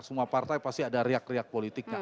semua partai pasti ada riak riak politiknya